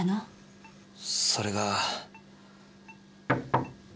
それが。